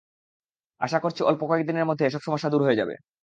আশা করছি অল্প কয়েক দিনের মধ্যে এসব সমস্যা দূর হয়ে যাবে।